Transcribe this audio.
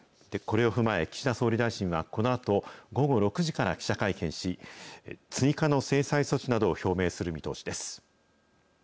これを踏まえ、岸田総理大臣はこのあと午後６時から記者会見し、追加の制裁措置などを表明する見